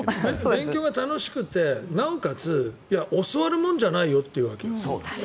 勉強が楽しくてなおかつ教わるものじゃないよって言うんだよね。